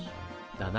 だな。